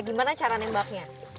gimana cara nembaknya